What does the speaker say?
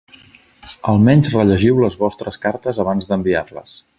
Almenys rellegiu les vostres cartes abans d'enviar-les.